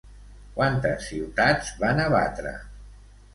Quantes ciutats van abatre?